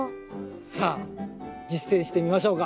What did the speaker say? さあ実践してみましょうか。